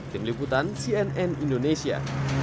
tim liputan cnn indonesia